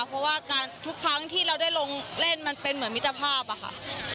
เพราะว่าการทุกครั้งที่เราได้ลงเล่นมันเป็นเหมือนมิตรภาพอะค่ะ